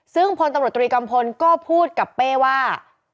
ซึ่งพตรตรีกำพลก็พูดกับเป้ว่า